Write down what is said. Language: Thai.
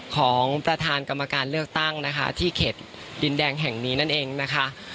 ของประธานกรรมการเลือกตั้งนะคะที่เขตดินแดงแห่งนี้นั่นเองนะคะ